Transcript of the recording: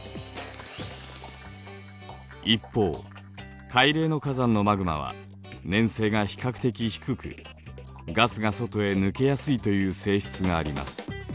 一方海嶺の火山のマグマは粘性が比較的低くガスが外へ抜けやすいという性質があります。